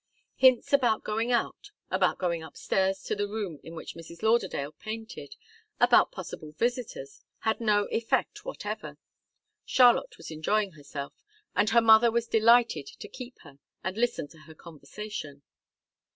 Hints about going out, about going upstairs to the room in which Mrs. Lauderdale painted, about possible visitors, had no effect whatever. Charlotte was enjoying herself and her mother was delighted to keep her and listen to her conversation.